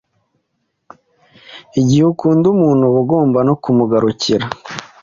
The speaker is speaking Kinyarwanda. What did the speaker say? igihe ukunda umuntu uba ugomba no kumugarukira